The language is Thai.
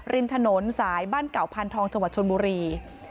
ริมถนนสายบ้านเก่าพันธองจังหวัดชนบุรี